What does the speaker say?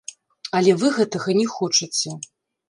Але вы гэтага не хочаце.